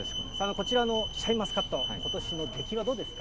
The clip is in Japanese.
こちらのシャインマスカット、ことしの出来はどうですか。